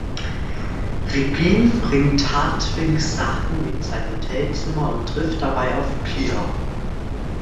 Regine bringt Hartwigs Sachen in sein Hotelzimmer und trifft dabei auf Pia.